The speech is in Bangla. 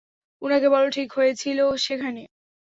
উনাকে বল ঠিক কি হয়েছিল সেখানে।